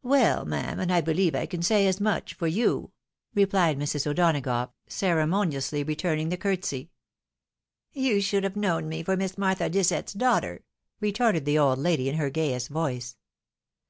" Well, ma'am, and I believe I can say as much for you," replied Mrs. O'Donagough, ceremoniously returning the cour tesy. "^Tou should have known me for Miss Martha Disett's daughter !" retorted the old lady, in her gayest voice.